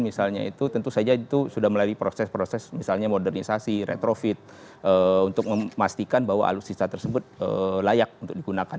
misalnya itu tentu saja itu sudah melalui proses proses misalnya modernisasi retrofit untuk memastikan bahwa alutsista tersebut layak untuk digunakan